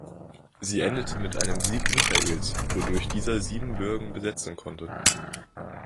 Sie endete mit einem Sieg Michaels, wodurch dieser Siebenbürgen besetzen konnte.